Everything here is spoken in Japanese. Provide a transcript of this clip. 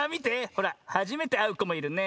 ほらはじめてあうこもいるね。